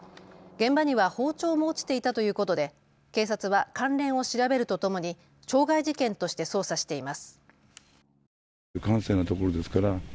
現場には包丁も落ちていたということで警察は関連を調べるとともに傷害事件として捜査しています。